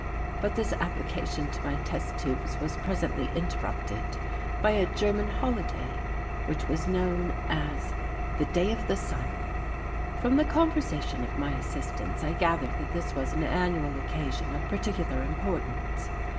But this application to my test tubes was presently interrupted by a German holiday which was known as The Day of the Sun. From the conversation of my assistants I gathered that this was an annual occasion of particular importance.